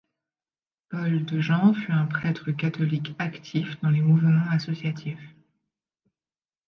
Paul Dejean fut un prêtre catholique actif dans les mouvements associatifs.